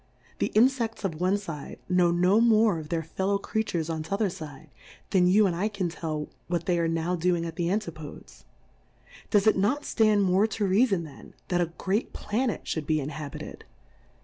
The InfeCts of I one fide, know no more of their fellow ' Creatures on t'other Side, than you and ' 1 can tell what they are now doing at | the Antipodes : Does it not ftand more I to reafon then, that a great Planet 1 fliould be inhabited?